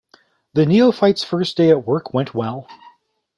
The neophyte's first day at work went well.